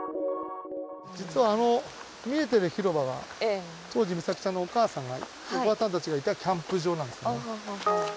実はあの見えている広場が当時、美咲ちゃんのお母さんたちがいたキャンプ場なんです。